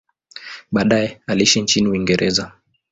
Baadaye aliishi nchini Uingereza.